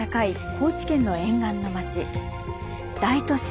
高知県の沿岸の町大都市